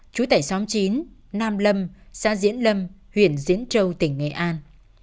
chú tẩy xóm chín nam lâm xã diễn lâm huyện diễn trâu tỉnh nghệ an